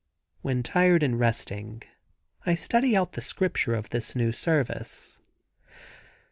When tired and resting I study out the scripture of this new service.